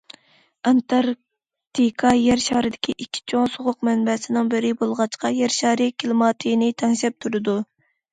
ئانتاركتىكا يەر شارىدىكى ئىككى چوڭ سوغۇق مەنبەسىنىڭ بىرى بولغاچقا، يەر شارى كىلىماتىنى تەڭشەپ تۇرىدۇ.